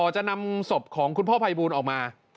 จะนำศพของคุณพ่อภัยบูลออกมา